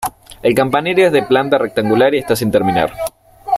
El campanario es de planta rectangular y está sin terminar.